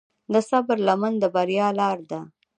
د صبر لمن د بریا لاره ده.